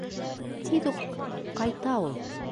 Тиҙ үк ҡайта ул.